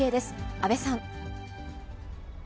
安部さん。